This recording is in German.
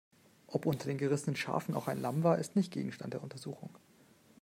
Ob unter den gerissenen Schafen auch ein Lamm war, ist nicht Gegenstand der Untersuchungen.